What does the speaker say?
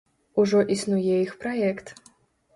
Ужо існуе іх праект.